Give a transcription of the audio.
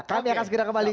kami akan segera kembali